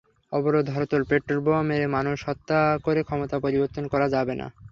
অবরোধ-হরতাল, পেট্রলবোমা মেরে মানুষ হত্যা করে ক্ষমতার পরিবর্তন করা যাবে না।